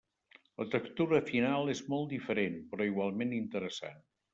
La textura final és molt diferent, però igualment interessant.